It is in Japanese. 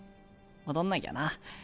戻んなきゃな。